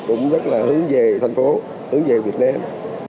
cũng rất là hướng về thành phố hướng về việt nam